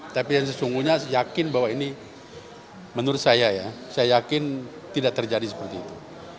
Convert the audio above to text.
tapi yang sesungguhnya yakin bahwa ini menurut saya ya saya yakin tidak terjadi seperti itu